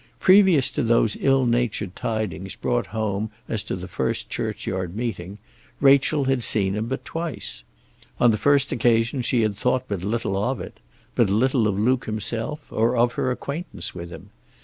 Previous to those ill natured tidings brought home as to the first churchyard meeting, Rachel had seen him but twice. On the first occasion she had thought but little of it, but little of Luke himself or of her acquaintance with him.